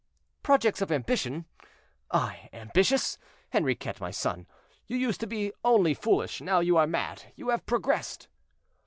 "Projects of ambition! I ambitious! Henriquet, my son, you used to be only foolish, now you are mad; you have progressed."